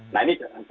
nah ini jangan lupa